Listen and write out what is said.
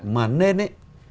mà nên ý